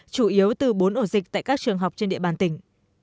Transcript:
chủ yếu từ bốn ổ dịch tại các trường học trên địa bàn tỉnh